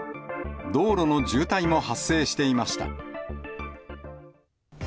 道路の渋滞も発生していました。